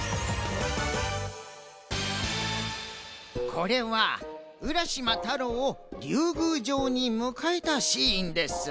これは浦島太郎をりゅうぐうじょうにむかえたシーンです。